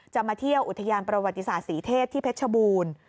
มาเที่ยวอุทยานประวัติศาสตร์ศรีเทพที่เพชรชบูรณ์